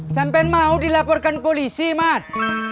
sampean mau dilaporkan polisi mat